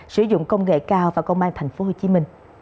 sử dụng công nghệ cao và công an tp hcm